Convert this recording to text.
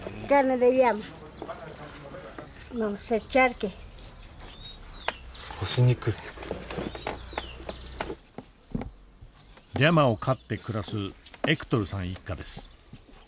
リャマを飼って暮らすエクトルさん一家です。